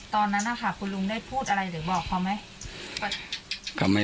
ตอนนั้นนะคะคุณลุงได้พูดอะไรหรือบอกเขาไหม